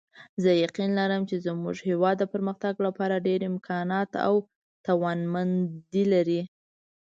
زه یقین لرم چې زموږ هیواد د پرمختګ لپاره ډېر امکانات او توانمندۍ لري